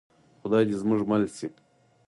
خدای دې زموږ مل شي